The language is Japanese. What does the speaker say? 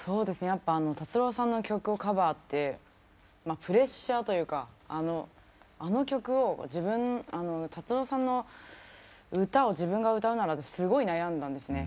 やっぱ達郎さんの曲をカバーってプレッシャーというかあの曲を達郎さんの歌を自分が歌うならってすごい悩んだんですね。